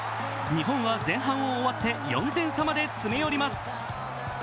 日本は前半を終わって４点差まで詰め寄ります。